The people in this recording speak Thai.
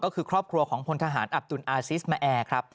ก็คือครอบครัวของพลทหารอับตุลอาซิสมาแอร์ครับ